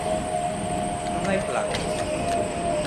Non hai plan.